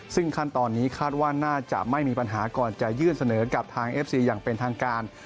ซึ่งขั้นตอนนี้คาดว่าน่าจะไม่มีปัญหาก่อนจะยื่นเสนอกับทางเอฟซีอย่างเป็นทางการ